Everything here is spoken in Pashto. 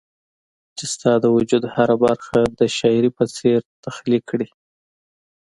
چي ستا د وجود هره برخه د شاعري په څير تخليق کړي